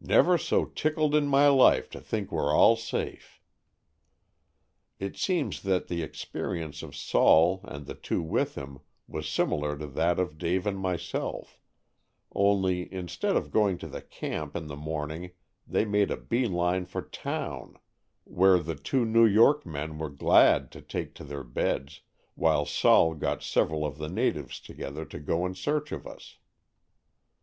Never so tickled in my life to think we're all safe." It seems that the experience of "Sol" 57 Stories from the Adirondack*. and the two with him was similar to that of Dave and myself, only instead of going to the camp in the morning they made a beeline for town, where the two New York men were glad to take to their beds, while "Sol" got several of the natives together to go in search of us.